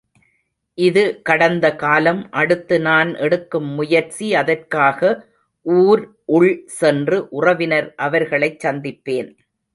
இது கடந்த காலம் அடுத்து நான் எடுக்கும் முயற்சி அதற்காக ஊர் உள் சென்று உறவினர் அவர்களைச் சந்திப்பேன்.